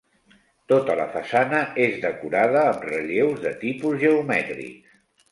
Tota la façana és decorada amb relleus de tipus geomètrics.